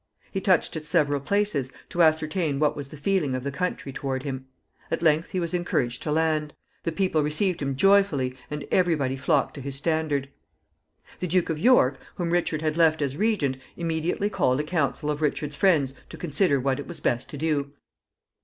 He touched at several places, to ascertain what was the feeling of the country toward him. At length he was encouraged to land. The people received him joyfully, and every body flocked to his standard. The Duke of York, whom Richard had left as regent, immediately called a council of Richard's friends to consider what it was best to do.